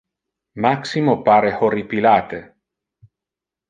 Maximo pare horripilate.